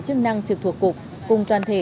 thay thế thông tư mới